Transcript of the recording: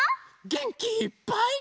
げんきいっぱい。